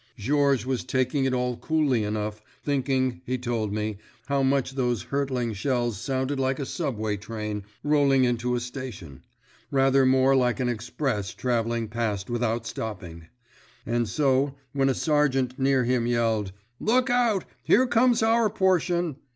Georges was taking it all coolly enough, thinking, he told me, how much those hurtling shells sounded like a subway train rolling into a station—rather more like an express traveling past without stopping. And so, when a sergeant near him yelled, "Look out—here comes our portion!"